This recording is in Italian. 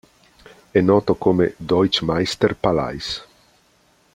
È noto come Deutschmeister-Palais.